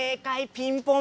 ピンポン！